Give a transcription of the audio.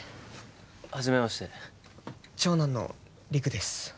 はじめまして長男の陸です